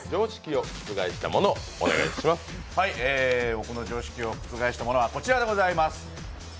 僕の常識を覆したものはこちらでございます。